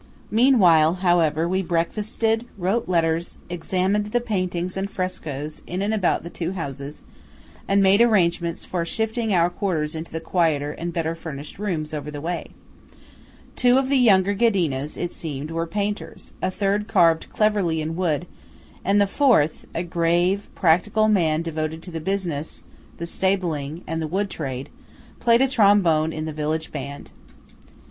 Meanwhile, however, we breakfasted, wrote letters, examined the paintings and frescoes in and about the two houses, and made arrangements for shifting our quarters into the quieter and better furnished rooms over the way. Two of the younger Ghedinas, it seemed, were painters; a third carved cleverly in wood; and the fourth (a grave practical man devoted to the business, the stabling, and the wood trade) played a trombone in the village band.